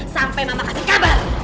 sampai mama kasih kabar